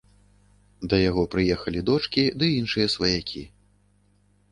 Да яго прыехалі дочкі ды іншыя сваякі.